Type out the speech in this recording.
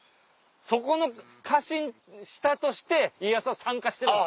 そこの家臣下として家康は参加してたんです。